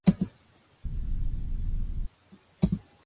ენდი გილი და ჯგუფი კამათობდნენ შემოქმედებით საკითხებზე.